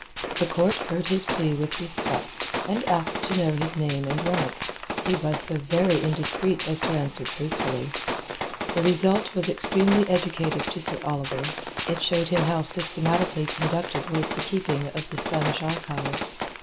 The court heard his plea with respect, and asked to know his name and rank. He was so very indiscreet as to answer truthfully. The result was extremely educative to Sir Oliver; it showed him how systematically conducted was the keeping of the Spanish archives.